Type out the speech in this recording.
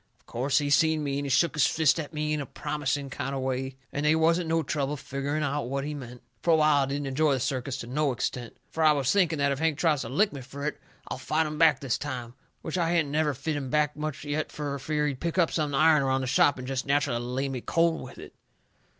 Of course he seen me, and he shook his fist at me in a promising kind of way, and they wasn't no trouble figgering out what he meant. Fur a while I didn't enjoy that circus to no extent. Fur I was thinking that if Hank tries to lick me fur it I'll fight him back this time, which I hadn't never fit him back much yet fur fear he'd pick up something iron around the shop and jest natcherally lay me cold with it.